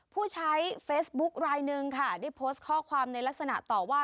ผู้ใช้เฟซบุ๊คลายหนึ่งค่ะได้โพสต์ข้อความในลักษณะต่อว่า